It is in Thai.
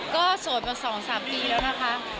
ก็โสดมาสองสามปีแล้วนะคะ